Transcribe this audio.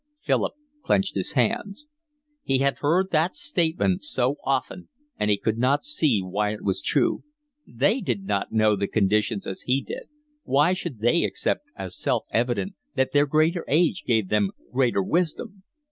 Philip clenched his hands. He had heard that statement so often, and he could not see why it was true; they did not know the conditions as he did, why should they accept it as self evident that their greater age gave them greater wisdom?